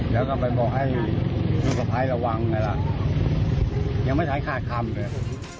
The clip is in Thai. เดี๋ยวกลับไปบอกให้ลูกภัยระวังอย่างนั้นยังไม่ใช้ข้าดคำเลย